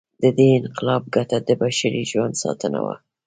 د دې انقلاب ګټه د بشري ژوند ساتنه وه.